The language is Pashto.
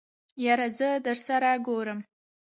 يره زه درسره ګورم.